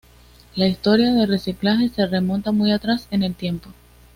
La historia del reciclaje se remonta muy atrás en el tiempo.